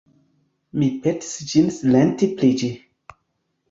Mi petis ŝin silenti pri ĝi.